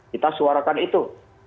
kita suarakan itu